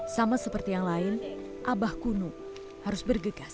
sama seperti yang lain abah kunu harus bergegas